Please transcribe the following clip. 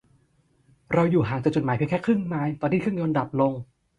เราอยู่ห่างจากจุดหมายเพียงแค่ครึ่งไมล์ตอนที่เครื่องยนต์ดับลง